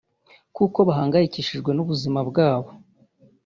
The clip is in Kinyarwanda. kuko bahangayikishijwe n’ubuzima bwabo